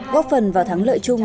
góp phần vào thắng lợi chung